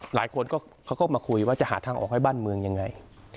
หลายคนเขาก็มาคุยว่าจะหาทางออกให้บ้านเมืองยังไง